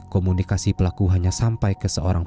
komunikasi pelaku hanya sampai ke seorang